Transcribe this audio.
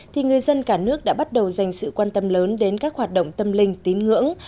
thì người dân cả nước đã bắt đầu dành sự quan tâm lớn đến các hoạt động tâm linh tín ngưỡng